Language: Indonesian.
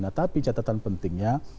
nah tapi catatan pentingnya